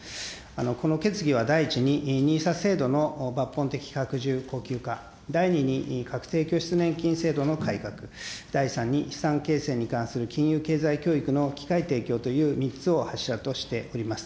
この決議は第１に、ＮＩＳＡ制度の抜本的拡充、恒久化、第２に確定拠出年金制度の改革、第３に資産形成に関する金融経済教育の機会提供という３つを柱としております。